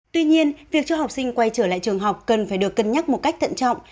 tuy nhiên việc cho học sinh quay trở lại trường học cần phải được cân nhắc một cách thận trọng